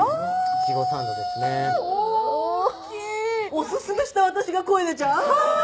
お薦めした私が声出ちゃう。